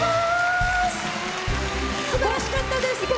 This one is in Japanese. すばらしかったです！